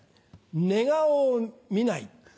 寝顔を見ない。